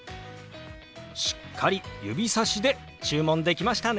しっかり指さしで注文できましたね。